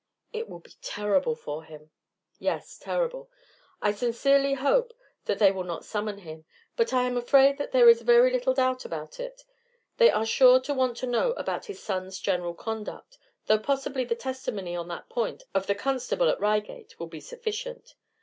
"It will be terrible for him." "Yes, terrible. I sincerely hope that they will not summon him, but I am afraid that there is very little doubt about it; they are sure to want to know about his son's general conduct, though possibly the testimony on that point of the constable at Reigate will be sufficient.